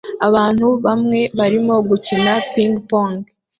Abantu bamwe barimo gukina ping-pong